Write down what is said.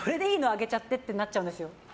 上げちゃって？ってなっちゃうんですよ。